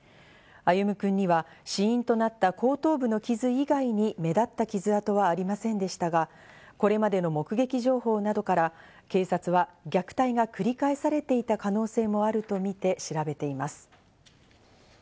歩夢くんには死因となった後頭部の傷以外に目立った傷あとはありませんでしたが、これまでの目撃情報などから警察は虐待が繰り返されていた可能性もあるとみて調べています。